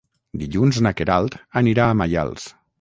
Dilluns na Queralt anirà a Maials.